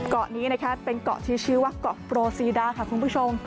เกาะนี้นะคะเป็นเกาะที่ชื่อว่าเกาะโปรซีดาค่ะคุณผู้ชม